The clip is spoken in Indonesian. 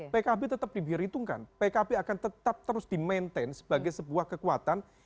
pkb tetap diberhitungkan pkb akan tetap terus di maintain sebagai sebuah kekuatan